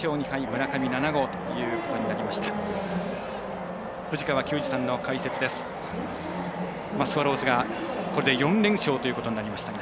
村上７号ということになりました。